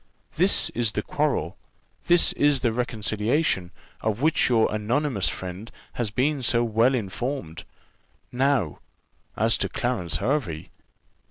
This is the quarrel, this is the reconciliation, of which your anonymous friend has been so well informed. Now, as to Clarence Hervey."